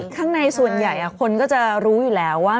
ข้างในส่วนใหญ่คนก็จะรู้อยู่แล้วว่า